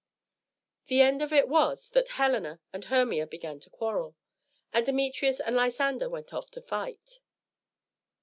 The end of it was that Helena and Hermia began to quarrel, and Demetrius and Lysander went off to fight.